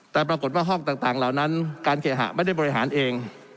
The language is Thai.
แต่ปรากฏว่าห้องต่างเหล่านั้นการเคหะไม่ได้บริหารเอง